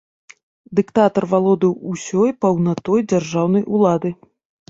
Дыктатар валодаў усёй паўнатой дзяржаўнай улады.